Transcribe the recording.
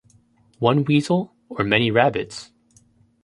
One weasel, or many rabbits?